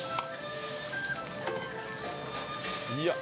いや。